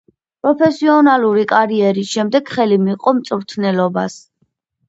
პროფესიონალური კარიერის შემდეგ ხელი მიჰყო მწვრთნელობას.